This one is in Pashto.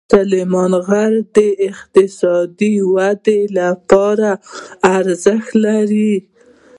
سلیمان غر د اقتصادي ودې لپاره ارزښت لري.